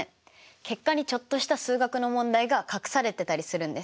結果にちょっとした数学の問題が隠されてたりするんです。